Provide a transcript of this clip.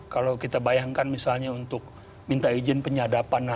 kalau kita bayangkan misalnya untuk minta izin penyadapan